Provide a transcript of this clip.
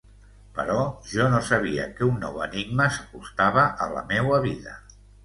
Però jo no sabia que un nou enigma s'acostava a la meua vida.